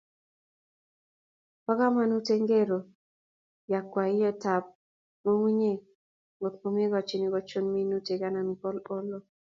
Bo komonut eng kero yakwaiyetab ngungunyek ngotkomochi kochun minutik anan ko olo